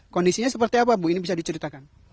kondisinya seperti apa bu ini bisa diceritakan